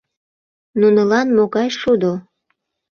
Нунылан могай шудо!